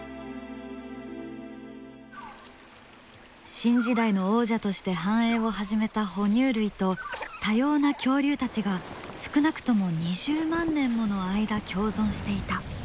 新時代の王者として繁栄を始めた哺乳類と多様な恐竜たちが少なくとも２０万年もの間共存していた。